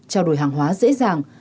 trao đổi hàng hóa dễ dàng